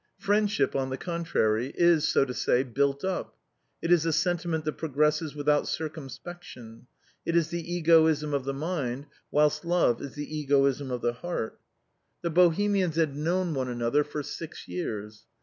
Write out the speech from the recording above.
Friendship, on the contrary, is, so to say, built up; it is a sentiment that progresses with circumspection; it is the egoism of the mind, whilst love is the egoism of the heart. The Bohemians had known one another for six years.